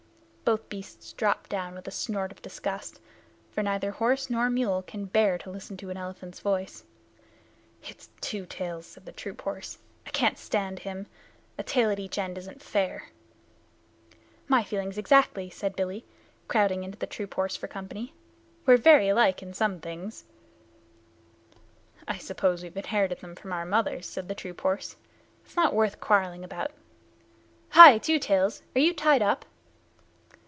Both beasts dropped down with a snort of disgust, for neither horse nor mule can bear to listen to an elephant's voice. "It's Two Tails!" said the troop horse. "I can't stand him. A tail at each end isn't fair!" "My feelings exactly," said Billy, crowding into the troop horse for company. "We're very alike in some things." "I suppose we've inherited them from our mothers," said the troop horse. "It's not worth quarreling about. Hi! Two Tails, are you tied up?"